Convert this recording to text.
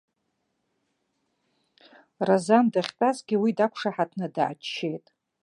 Разан дахьтәазгьы уи дақәшаҳаҭны дааччеит.